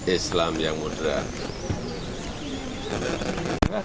islam yang moderat